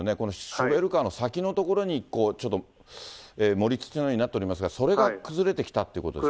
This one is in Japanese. ショベルカーの先の所に、ちょっと盛り土のようになっておりますが、それが崩れてきたってことですか。